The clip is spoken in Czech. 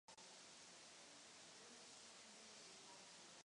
Ves se v ní zmiňuje jako majetek vyšehradské kapituly.